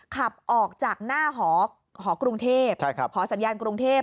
ขับออกจากหน้าหอกรุงเทพหอสัญญาณกรุงเทพ